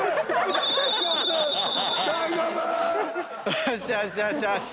よしよしよしよし。